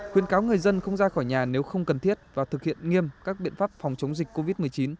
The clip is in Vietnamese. khuyên cáo người dân không ra khỏi nhà nếu không cần thiết và thực hiện nghiêm các biện pháp phòng chống dịch covid một mươi chín